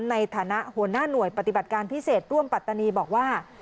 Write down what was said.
ในฐานะหัวหน้าหน่วยปฏิบัติการพิเศษร่วมปัตตานีบอกว่า